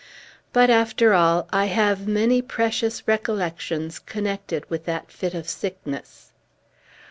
But, after all, I have many precious recollections connected with that fit of sickness.